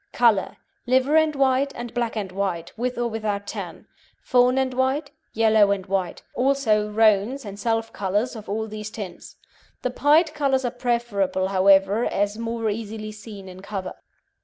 COLOUR Liver and white and black and white (with or without tan), fawn and white, yellow and white, also roans and self colours of all these tints. The pied colours are preferable, however, as more easily seen in cover.